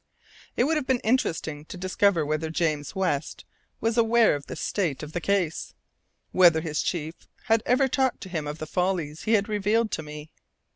It would have been interesting to discover whether James West was aware of the state of the case, whether his chief had ever talked to him of the follies he had revealed to me.